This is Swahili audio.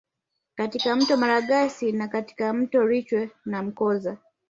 Katika mto Malagarasi na katika mto Rwiche na Mkoza